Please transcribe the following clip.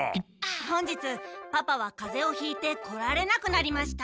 本日パパはカゼをひいて来られなくなりました。